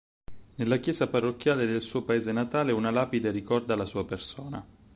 Nella Chiesa parrocchiale del suo paese natale, una lapide ricorda la sua persona.